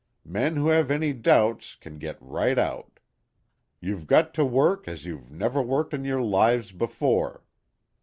Men who have any doubts can get right out. You've got to work as you never worked in your lives before.